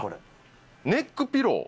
ネックピロー。